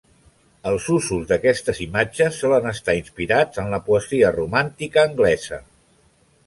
Els usos d'aquestes imatges solen estar inspirats en la poesia romàntica anglesa.